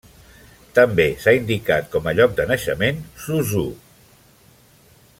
També s'ha indicat com a lloc de naixement Suzhou.